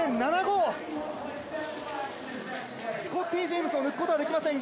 スコッティ・ジェームスを抜くことはできません